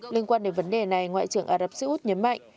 liên quan đến vấn đề này ngoại trưởng ả rập xê út nhấn mạnh